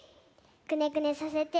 くねくねさせて。